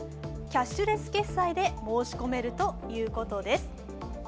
キャッシュレス決済で申し込めるということです。